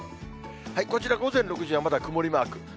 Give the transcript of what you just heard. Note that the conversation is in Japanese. こちら、午前６時はまだ曇りマーク。